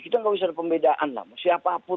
kita nggak bisa ada pembedaan siapapun